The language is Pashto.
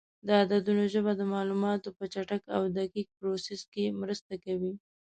د عددونو ژبه د معلوماتو په چټک او دقیق پروسس کې مرسته کوي.